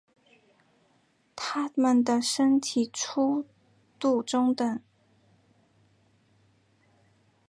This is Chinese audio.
它们的身体粗度中等。